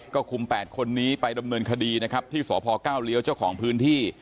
ก็คุม๘คนนี้ไปดำเนินคดีนะครับที่สพก้าวเลี้ยวเจ้าของพื้นที่